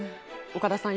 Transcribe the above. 岡田さん